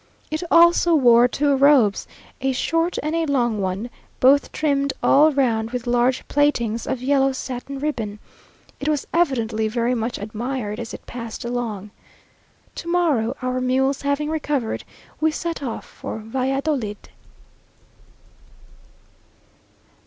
It also wore two robes, a short and a long one, both trimmed all round with large plaitings of yellow satin ribbon. It was evidently very much admired as it passed along. To morrow, our mules having recovered, we set off for Valladolid.